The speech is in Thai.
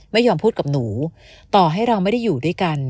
ไม่ยอมพูดกับหนูต่อให้เราไม่ได้อยู่ด้วยกัน